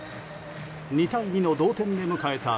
２対２の同点で迎えた